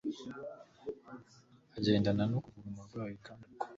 agendana no kuvura umurwayi kandi ubwo